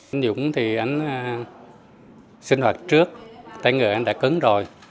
anh dũng thì anh sinh hoạt trước tay người anh đã cứng rồi